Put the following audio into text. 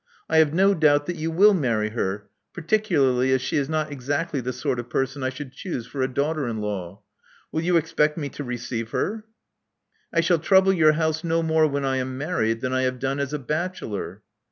I have no doubt that you will marry her, particularly as she is not~ exactly the sort of person I should choose for a daughter in law. Will you expect me to receive her?" I shall trouble your house no more when I am married than I have done as a bachelor."